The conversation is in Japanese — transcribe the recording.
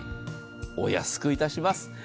お安くいたします。